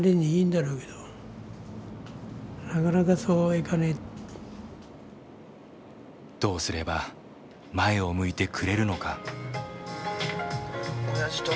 茨城でどうすれば前を向いてくれるのか。